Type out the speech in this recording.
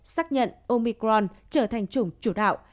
xác nhận omicron trở thành chủng chủ đạo